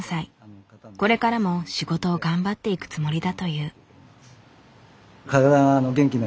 これからも仕事を頑張っていくつもりだという。